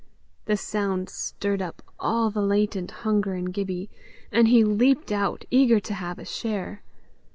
The sound stirred up all the latent hunger in Gibbie, and he leaped out, eager to have a share.